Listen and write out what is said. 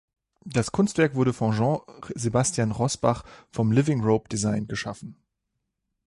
Das Kunstwerk wurde von Jean Sebastian Rossbach vom Living Rope Design geschaffen.